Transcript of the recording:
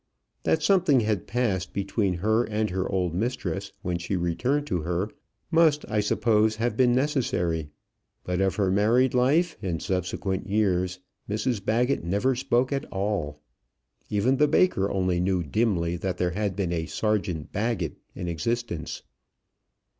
That something had passed between her and her old mistress when she returned to her, must, I suppose, have been necessary. But of her married life, in subsequent years, Mrs Baggett never spoke at all. Even the baker only knew dimly that there had been a Sergeant Baggett in existence.